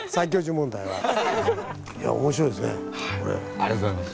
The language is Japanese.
ありがとうございます。